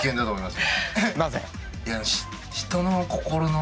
なぜ？